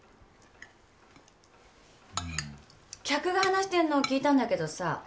客が話してんのを聞いたんだけどさ